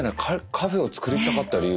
カフェを造りたかった理由。